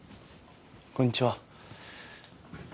こんにちは。